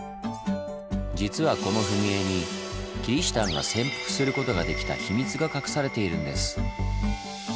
実はこの踏み絵にキリシタンが潜伏することができた秘密が隠されているんです。